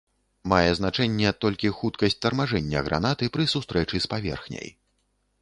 Мае значэнне толькі хуткасць тармажэння гранаты пры сустрэчы с паверхняй.